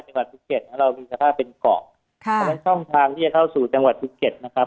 จังหวัดภูเก็ตของเรามีสภาพเป็นเกาะค่ะเพราะฉะนั้นช่องทางที่จะเข้าสู่จังหวัดภูเก็ตนะครับ